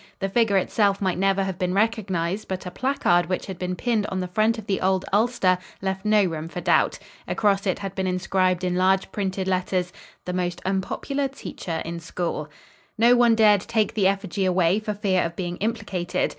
The figure itself might never have been recognized, but a placard which had been pinned on the front of the old ulster left no room for doubt. Across it had been inscribed in large printed letters: "THE MOST UNPOPULAR TEACHER IN SCHOOL." No one dared take the effigy away for fear of being implicated.